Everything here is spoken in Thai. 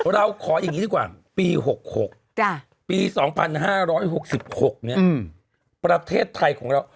เราขออย่างนี้ดีกว่าปี๖๖ปี๒๕๖๖ประเทศไทยของเรา